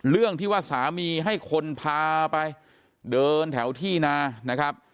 เรื่องที่ว่าสามีให้คนพาไปเดินแถวที่นานะครับ